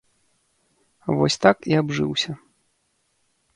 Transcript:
Вось так і абжыўся.